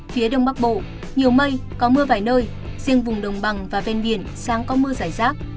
phía đông bắc bộ nhiều mây có mưa vài nơi riêng vùng đồng bằng và ven biển sáng có mưa giải rác